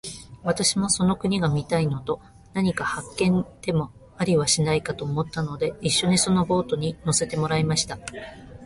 私もその国が見たいのと、何か発見でもありはしないかと思ったので、一しょにそのボートに乗せてもらいました。